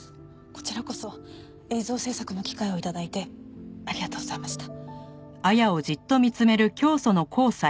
こちらこそ映像制作の機会を頂いてありがとうございました。